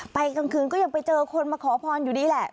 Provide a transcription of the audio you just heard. กลางคืนก็ยังไปเจอคนมาขอพรอยู่ดีแหละ